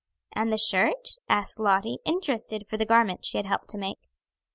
"And the shirt?" asked Lottie, interested for the garment she had helped to make.